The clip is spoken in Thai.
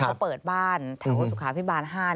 เขาเปิดบ้านถังโศความพิบาลห้า